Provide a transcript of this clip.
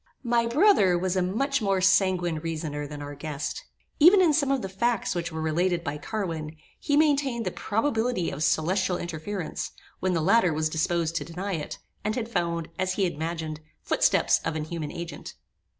My brother was a much more sanguine reasoner than our guest. Even in some of the facts which were related by Carwin, he maintained the probability of celestial interference, when the latter was disposed to deny it, and had found, as he imagined, footsteps of an human agent.